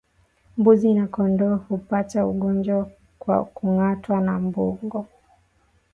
Mbuzi na kondoo hupata ugonjwa kwa kungatwa na mbungo